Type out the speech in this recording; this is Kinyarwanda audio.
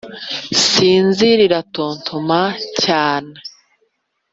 isinzi riratontoma cyane